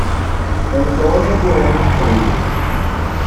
Antônia Bueno de Freitas